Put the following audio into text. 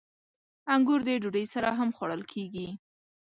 • انګور د ډوډۍ سره هم خوړل کېږي.